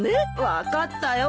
分かったよ